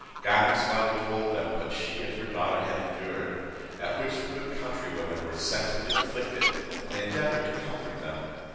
Ganem's mother told them what she and her daughter had endured; at which the good countrywomen were sensibly afflicted, and endeavoured to comfort them.